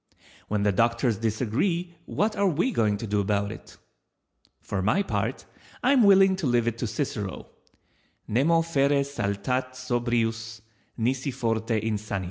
When the doctors disagree what are we going to do about it? For my part I am willing to leave it to Cicero— "_Nemo fere saltat sobrius, nisi forte insanit.